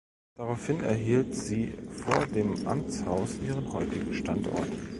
Daraufhin erhielt sie vor dem Amtshaus ihren heutigen Standort.